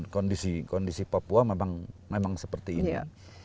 kondisi kondisi papua memang memang seperti ini ya